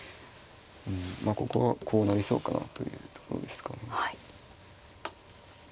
うんまあここはこうなりそうかなというところですかね。